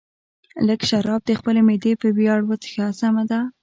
لږ شراب د خپلې معدې په ویاړ وڅښه، سمه ده.